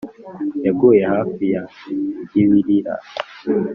yaguye hafi ya kibirira.